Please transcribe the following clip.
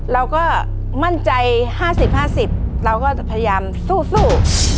เราก็มั่นใจห้าสิบห้าสิบเราก็พยายามสู้สู้